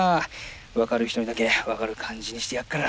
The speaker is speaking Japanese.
分かる人にだけ分かる感じにしてやっから！